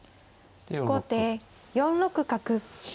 後手４六角。